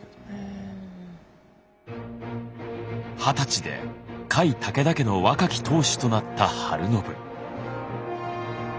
二十歳で甲斐武田家の若き当主となった晴信。